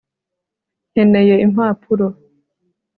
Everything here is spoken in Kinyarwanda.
nkeneye impapuro .